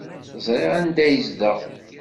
Ẓriɣ anda ay yezdeɣ.